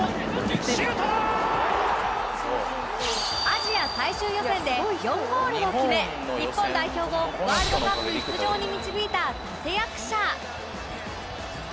アジア最終予選で４ゴールを決め日本代表をワールドカップ出場に導いた立役者